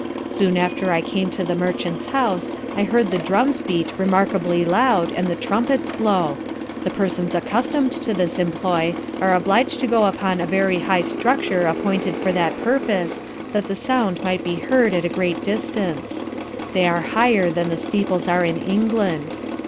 Soon after I came to the merchant's house I heard the drums beat remarkably loud, and the trumpets blow the persons accustom'd to this employ, are oblig'd to go upon a very high structure appointed for that purpose, that the sound might be heard at a great distance: They are higher than the steeples are in England.